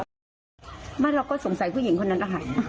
แล้วเราก็สงสัยกับผู้หญิงคนนั้นนะคะ